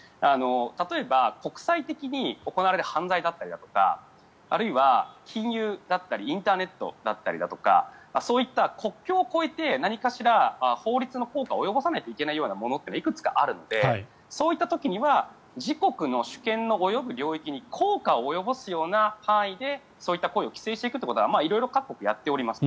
例えば、国際的に行われる犯罪だったりとかあるいは、金融だったりインターネットだったりだとかそういった国境を越えて何かしら、法律の効果を及ばさないといけないようなものはいくつかあるのでそういった時には自国の主権の及ぶ領域に効果を及ぼすような範囲で行為を規制していくというのは色々各国やっております。